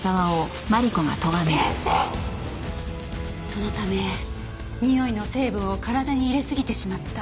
そのためにおいの成分を体に入れすぎてしまった。